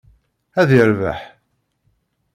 Ad yerbeḥ.